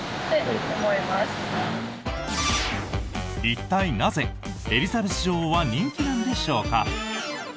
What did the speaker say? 一体なぜエリザベス女王は人気なんでしょうか？